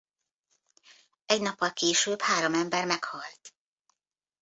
Egy nappal később három ember meghalt.